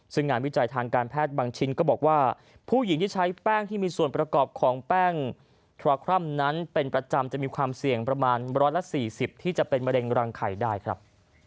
ซึ่งงานวิจัยทางการแพทย์บางชิ้นก็บอกว่าผู้หญิงที่ใช้แป้งที่มีส่วนประกอบของแป้งทราครัมนั้นเป็นประจำจะมีความเสี่ยงประมาณ๑๔๐ที่จะเป็นมะเร็งรังไข่ได้ครับ